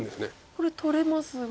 これ取れますが。